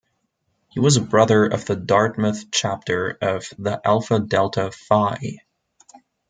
He was a Brother of the Dartmouth Chapter of the Alpha Delta Phi.